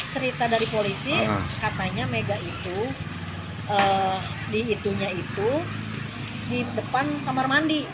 cerita dari polisi katanya mega itu dihitungnya itu di depan kamar mandi